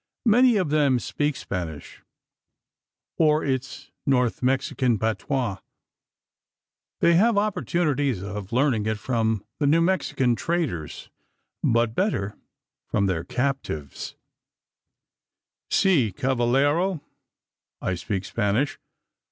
Many of them speak Spanish, or its North Mexican patois. They have opportunities of learning it from the New Mexican traders, but better from their captives. "Si cavallero! I speak Spanish.